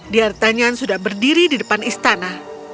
diartanyan sudah berdiri di depan istana